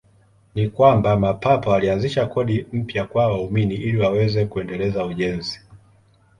Ni kwamba Mapapa walianzisha kodi mpya kwa waumini ili waweze kuendeleza ujenzi.